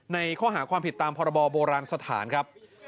ในข้อหาความผิดตามพรบโบราณสถานครับ